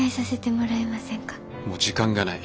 もう時間がない。